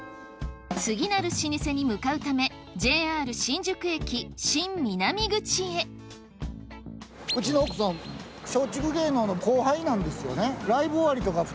次なる老舗に向かうためＪＲ新宿駅新南口へうちの奥さん松竹芸能の後輩なんですよね。